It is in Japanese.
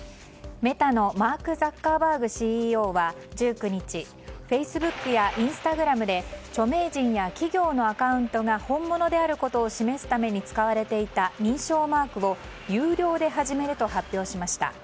メタのマーク・ザッカーバーグＣＥＯは、１９日フェイスブックやインスタグラムで著名人や企業のアカウントが本物であることを示すために使われていた認証マークを有料で始めると発表しました。